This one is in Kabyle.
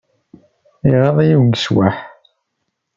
Iɣaḍ-iyi ugeswaḥ!